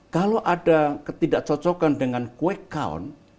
kalau ada ketidakcocokan dengan wake on